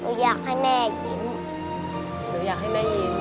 หนูอยากให้แม่ยิ้ม